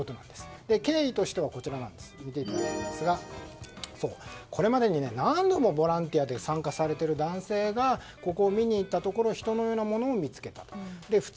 経緯としてはこれまでに何度もボランティアで参加されている男性がここを見に行ったところ人の骨のようなものを見つけたと。